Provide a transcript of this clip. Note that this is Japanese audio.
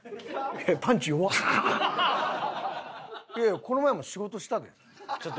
いやいやこの前も仕事したで？